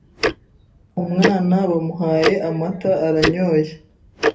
”.Umwana bamuhaye amata aranyoye